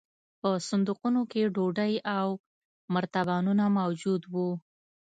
په صندوقونو کې ډوډۍ او مرتبانونه موجود وو